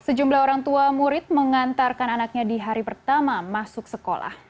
sejumlah orang tua murid mengantarkan anaknya di hari pertama masuk sekolah